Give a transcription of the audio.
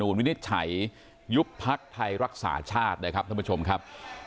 รัฐธรรมนุมวินิจฉัยยุบพักธรรมไทยรักษาชาตินะครับท่านผู้ชมครับ